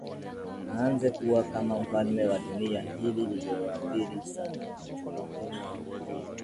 aanze kuwa kama mfalme wa dunia hii lililoathiri sana majukumu yake